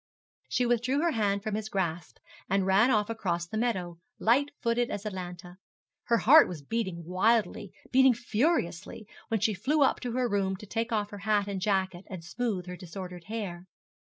She withdrew her hand from his grasp, and ran off across the meadow, light footed as Atalanta. Her heart was beating wildly, beating furiously, when she flew up to her room to take off her hat and jacket and smooth her disordered hair.